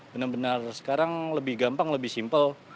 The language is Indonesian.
benar benar sekarang lebih gampang lebih simpel